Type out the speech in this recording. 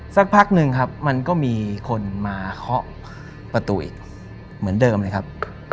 สักพักหนึ่งครับมันก็มีคนมาเคาะประตูอีกเหมือนเดิมเลยครับ